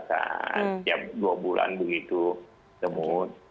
setiap dua bulan begitu ketemu